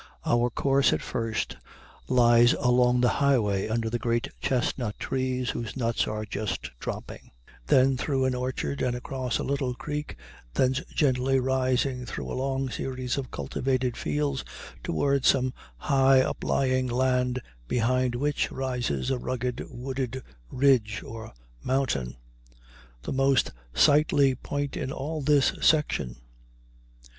Our course at first lies along the highway under great chestnut trees whose nuts are just dropping, then through an orchard and across a little creek, thence gently rising through a long series of cultivated fields toward some high uplying land behind which rises a rugged wooded ridge or mountain, the most sightly point in all this section.